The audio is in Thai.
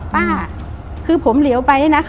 ป้าคือผมเหลียวไป